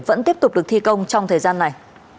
vẫn tiếp tục được thi công trong thời gian này